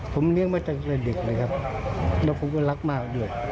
ผมเลี้ยงมาตั้งแต่เด็กเลยครับแล้วผมก็รักมากด้วย